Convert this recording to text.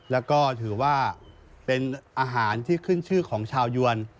แล้วก็ถือว่าเป็นอาหารที่ขึ้นชื่อของชาวยวน